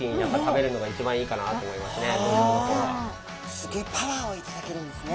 すギョいパワーを頂けるんですね。